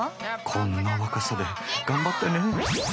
こんな若さで頑張ってね。